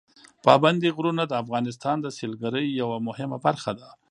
پابندي غرونه د افغانستان د سیلګرۍ یوه مهمه برخه ده.